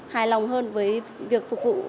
hài lòng hơn với việc phục vụ